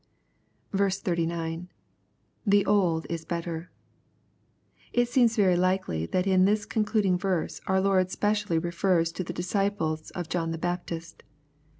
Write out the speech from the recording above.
39. — [The old is better,] It seems very Ukely that in this conchiding verse our Lord specially refers to the disciples of John the Baptist.